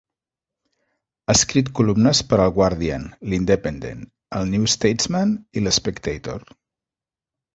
Ha escrit columnes per al Guardian, l'Independent, el New Statesman i l'Spectator.